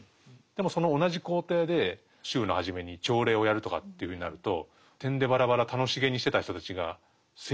でもその同じ校庭で週の初めに朝礼をやるとかっていうふうになるとてんでばらばら楽しげにしてた人たちが整列するわけですよね。